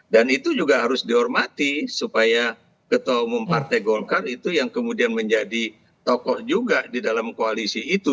dan itu juga harus dihormati supaya ketua umum partai golkar itu yang kemudian menjadi tokoh juga di dalam koalisi itu